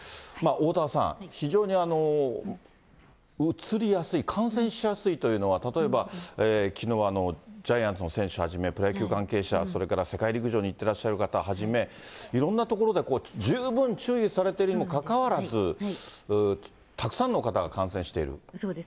おおたわさん、非常にうつりやすい、感染しやすいというのは、例えばきのうはジャイアンツの選手はじめ、プロ野球関係者、それから世界陸上に行ってらっしゃる方をはじめ、いろんなところで十分注意されてるにもかかわらず、たくさんの方が感染している。